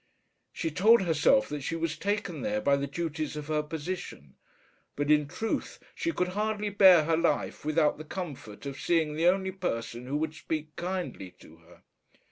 She told herself that she was taken there by the duties of her position; but in truth she could hardly bear her life without the comfort of seeing the only person who would speak kindly to her.